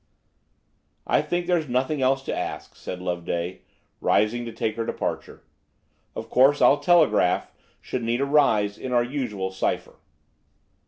"I think there's nothing else to ask," said Loveday, rising to take her departure. "Of course, I'll telegraph, should need arise, in our usual cipher."